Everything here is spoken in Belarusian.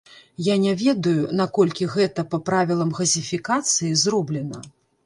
Я не ведаю, наколькі гэта па правілам газіфікацыі зроблена.